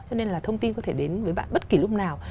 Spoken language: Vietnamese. cho nên là thông tin có thể đến với bạn bất kỳ lúc nào